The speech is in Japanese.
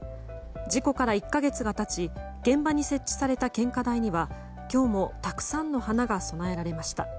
事故から１か月が経ち現場に設置された献花台には今日もたくさんの花が供えられました。